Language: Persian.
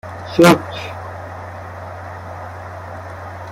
چک